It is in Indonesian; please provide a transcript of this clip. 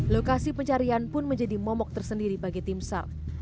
lokasi pencarian pun menjadi momok tersendiri bagi tim sal